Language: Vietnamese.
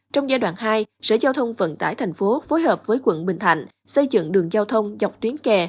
trong giai đoạn hai sở giao thông vận tải thành phố phối hợp với quận bình thạnh xây dựng đường giao thông dọc tuyến kè